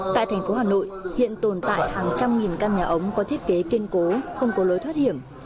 tại thành phố hà nội hiện tồn tại hàng trăm nghìn căn nhà ống có thiết kế kiên cố không có lối thoát hiểm